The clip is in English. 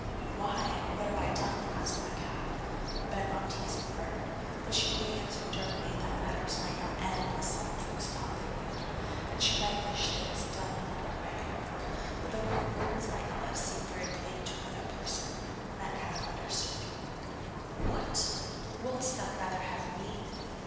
'Why what have I done?' asked Metcalfe, bent on teasing her; but she only answered darkly that matters might not end as some folks thought they would, and she might wish things done another way. But, though her words might not have seemed very plain to another person, Metcalfe understood. 'What! Wouldst thou rather have me?